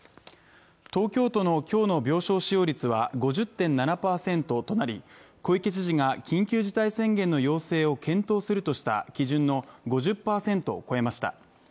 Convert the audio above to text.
東京都の今日の病床使用率は５０．７％となり、小池知事が緊急事態宣言の要請を検討するとした基準の基準の５０％を超えました。